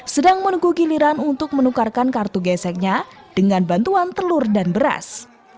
sedang meneguh giliran untuk menukarkan kartu geseknya dengan bantuan telur dan telur busuk